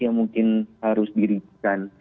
yang mungkin harus diribukan